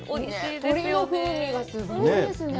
鶏の風味がすごいですね。